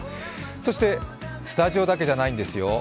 そして、スタジオだけじゃないんですよ。